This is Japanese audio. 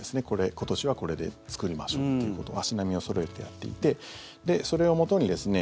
今年はこれで作りましょうということを足並みをそろえてやっていてそれをもとにですね